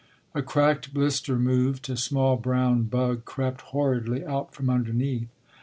A cracked blister moved, a small brown bug crept horridly out from underneath.